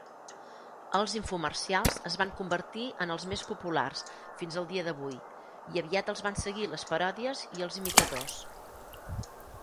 Els infomercials es van convertir en els més populars fins el dia d'avui, i aviat els van seguir les paròdies i els imitadors.